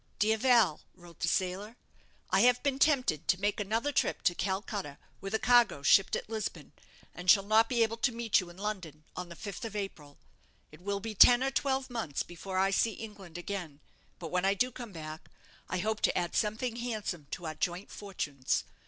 "DEAR VAL," wrote the sailor: "_I have been tempted to make another trip to Calcutta with a cargo shipped at Lisbon, and shall not be able to meet you in London on the 5th of April. It will be ten or twelve months before I see England again; but when I do come back, I hope to add something handsome to our joint fortunes.